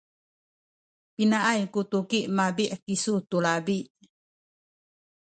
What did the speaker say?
pinaay ku tuki mabi’ kisu tu labi?